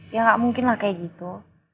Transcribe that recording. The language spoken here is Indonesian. ya nggak mungkin lah kayak gitu